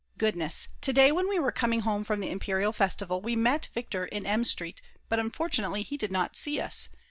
Goodness, to day when we were coming home from the Imperial Festival, we met Viktor in M. Street, but unfortunately he did not see us.